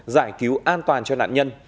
giải cứu an toàn cho nạn nhân